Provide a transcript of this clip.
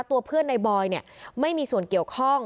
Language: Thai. ตัวเพื่อนในบอยไม่มีส่วนเกี่ยวข้อง